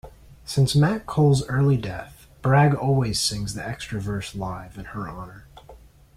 Since MacColl's early death, Bragg always sings the extra verse live in her honour.